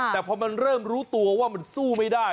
แต่พอมันเริ่มรู้ตัวว่ามันสู้ไม่ได้